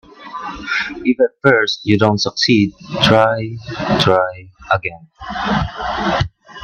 If at first you don't succeed, try, try again.